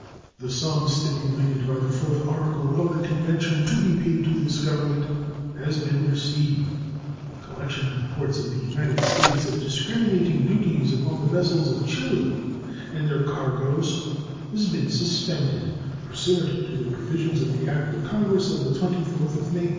The sum stipulated by the fourth article of the convention to be paid to this Government has been received. The collection in the ports of the United States of discriminating duties upon the vessels of Chili and their cargoes has been suspended, pursuant to the provisions of the act of Congress of the 24th of May, 1828.